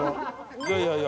いやいやいや。